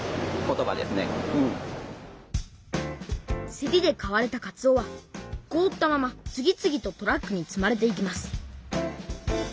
せりで買われたかつおはこおったまま次々とトラックに積まれていきます